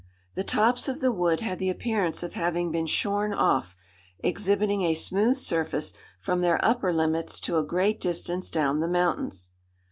The tops of the wood had the appearance of having been shorn off, exhibiting a smooth surface from their upper limits to a great distance down the mountains."